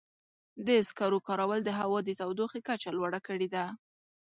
د سکرو کارول د هوا د تودوخې کچه لوړه کړې ده.